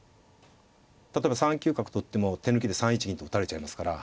例えば３九角と打っても手抜きで３一銀と打たれちゃいますから。